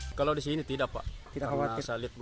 sebenarnya warga ini tidak pernah mengusik